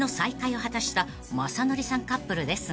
果たした雅紀さんカップルですが］